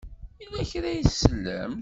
Yella kra ay tsellemt?